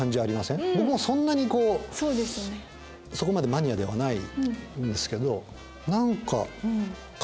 僕もそんなにそこまでマニアではないんですけど何か。